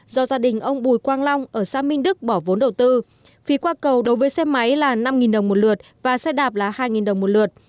do gia đình ông bùi quang long ở xã minh đức bỏ vốn đầu tư phí qua cầu đối với xe máy là năm đồng một lượt và xe đạp là hai đồng một lượt